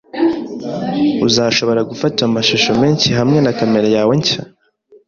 Uzashobora gufata amashusho menshi hamwe na kamera yawe nshya.